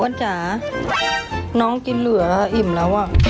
หัวจ๋าน้องกินเหลืออิ่มแล้วอ่ะ